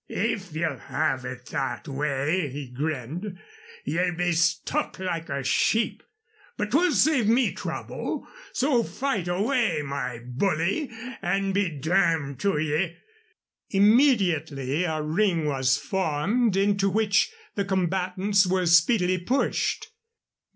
"If ye'll have it that way," he grinned, "ye'll be stuck like a sheep. But 'twill save me trouble. So fight away, my bully, an' be dammed to ye!" Immediately a ring was formed, into which the combatants were speedily pushed.